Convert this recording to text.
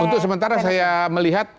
untuk sementara saya melihat